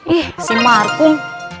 ih si markum